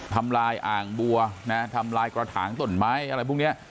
ทำลายอ่างบัวนะทำลายกระถางต้นไม้อะไรพวกนี้